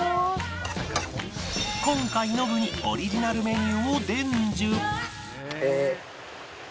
今回ノブにオリジナルメニューを伝授